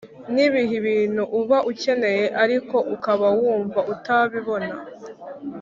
Ni ibihe bintu uba ukeneye ariko ukaba wumva utabibona